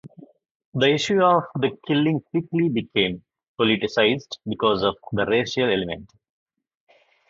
The issue of the killing quickly became politicised because of the racial element.